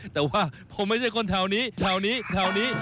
แต่ว่าผมไม่ใช่คนแถวนี้แถวนี้